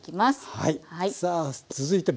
はい。